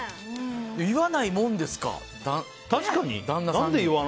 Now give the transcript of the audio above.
言わないもんですか、旦那さんに。